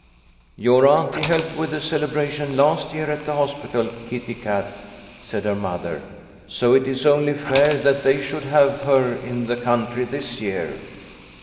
"Your auntie helped with the celebration last year at the hospital, Kitty cat," said her mother, " so it is only fair that they should have her in the country this year."